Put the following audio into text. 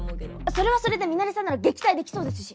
それはそれでミナレさんなら撃退できそうですし。